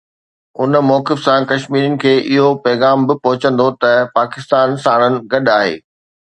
ان موقف سان ڪشميرين کي اهو پيغام به پهچندو ته پاڪستان ساڻن گڏ آهي.